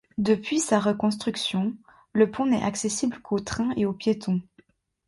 Depuis sa reconstruction, le pont n'est accessible qu'aux trains et aux piétons.